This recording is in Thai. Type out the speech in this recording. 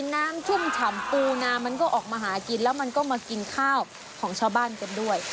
ชุ่มฉ่ำปูนามันก็ออกมาหากินแล้วมันก็มากินข้าวของชาวบ้านกันด้วย